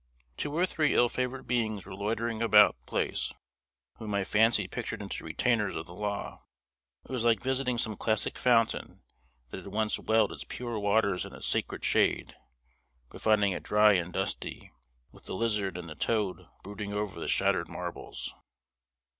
Two or three ill favored beings were loitering about the place, whom my fancy pictured into retainers of the law. It was like visiting some classic fountain, that had once welled its pure waters in a sacred shade, but finding it dry and dusty, with the lizard and the toad brooding over the shattered marbles.